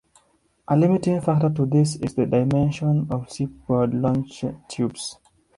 A limiting factor to this is the dimensions of shipboard launch tubes.